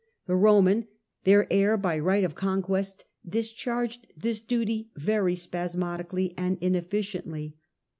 The Roman, their heir by right of conquest, discharged this duty very spasmodically and inefficiently.